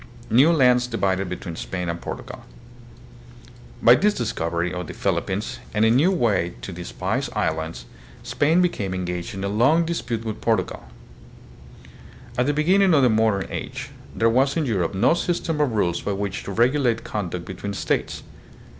New Lands Divided between Spain and Portugal. By this discovery of the Philippines and a new way to the Spice Islands, Spain became engaged in a long dispute with Portugal. At the beginning of the modern age, there was in Europe no system of rules by which to regulate conduct between states.